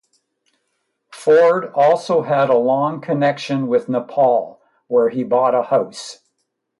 Ford also had a long connection with Nepal, where he bought a house.